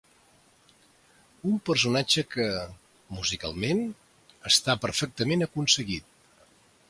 Un personatge que, musicalment, està perfectament aconseguit.